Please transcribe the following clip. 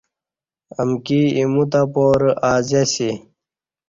امکِی ایمو تہ پارہ ازیسی